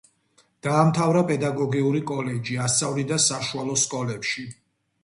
დაამთავრა პედაგოგიური კოლეჯი, ასწავლიდა საშუალო სკოლებში.